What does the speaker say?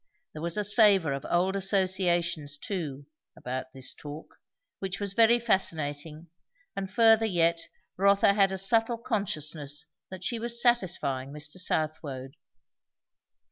There was a savour of old associations, too, about this talk, which was very fascinating; and further yet, Rotha had a subtle consciousness that she was satisfying Mr. Southwode.